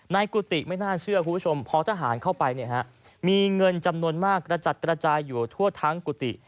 กุฏิไม่น่าเชื่อคุณผู้ชมพอทหารเข้าไปมีเงินจำนวนมากกระจัดกระจายอยู่ทั่วทั้งกุฏิ